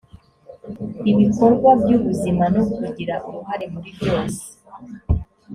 ibikorwa by ubuzima no kugira uruhare muri byose